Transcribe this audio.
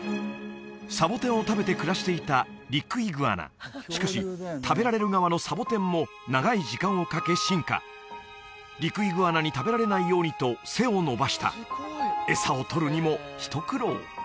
サボテンを食べて暮らしていたリクイグアナしかし食べられる側のサボテンも長い時間をかけ進化リクイグアナに食べられないようにと背を伸ばした餌をとるにもひと苦労